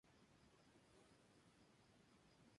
Inicia sus estudios en el Colegio Salesiano.